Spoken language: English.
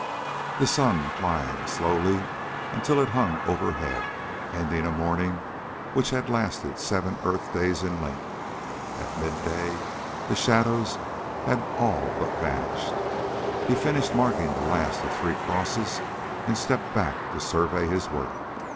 The sun climbed, slowly, until it hung overhead, ending a morning which had lasted seven earth days in length. At midday the shadows had all but vanished. He finished marking the last of three crosses and stepped back to survey his work.